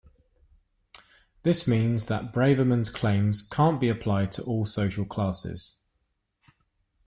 This means that Braverman's claims can't be applied to all social classes.